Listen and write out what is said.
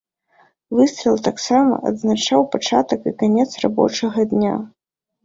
Выстрал таксама адзначаў пачатак і канец рабочага дня.